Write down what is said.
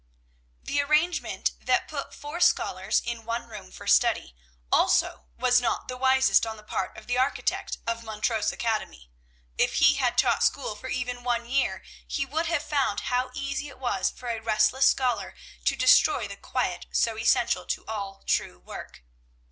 The arrangement that put four scholars in one room for study, also was not the wisest on the part of the architect of Montrose Academy. If he had taught school for even one year, he would have found how easy it was for a restless scholar to destroy the quiet so essential to all true work.